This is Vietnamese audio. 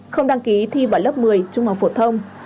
không đăng ký thi vào lớp một mươi trung học phổ thông